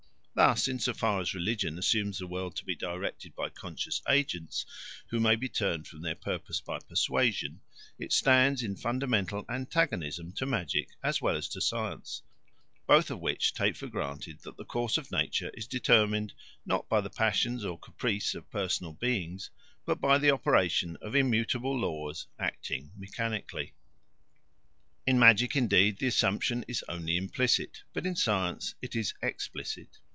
Thus in so far as religion assumes the world to be directed by conscious agents who may be turned from their purpose by persuasion, it stands in fundamental antagonism to magic as well as to science, both of which take for granted that the course of nature is determined, not by the passions or caprice of personal beings, but by the operation of immutable laws acting mechanically. In magic, indeed, the assumption is only implicit, but in science it is explicit.